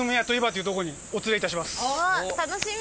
お楽しみ。